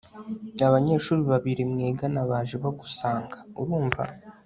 Abanyeshuri babiri mwigana baje bagusanga Urumva